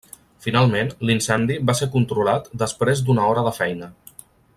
Finalment, l'incendi va ser controlat després d'una hora de feina.